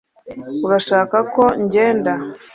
urashaka ko ngenda